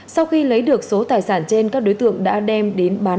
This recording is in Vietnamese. sau khi lấy được số tài sản trên các đối tượng đã đem đến bán